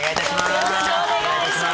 よろしくお願いします。